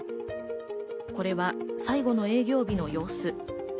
これは最後の営業日の様子。